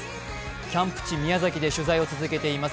キャンプ地宮崎で取材を続けています